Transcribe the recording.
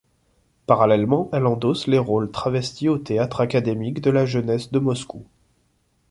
Parallèlement elle endosse les rôles travesti au théâtre académique de la jeunesse de Moscou.